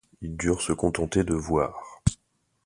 Ils durent se contenter de voir.